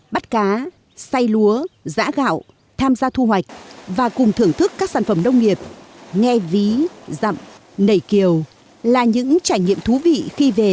bắt cá say lúa giã gạo tham gia thu hoạch và cùng thưởng thức các sản phẩm nông nghiệp nghe ví dặm nảy kiều là những trải nghiệm thú vị khi về